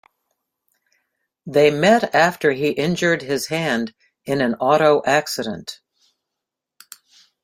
They met after he injured his hand in an auto accident.